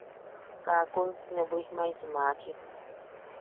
Kaakun nee bwijmaisi maachi.